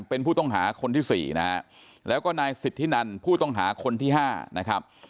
เป็นผู้ต้องหาคนที่สี่นะฮะแล้วก็นายสิทธินันผู้ต้องหาคนที่๕นะครับ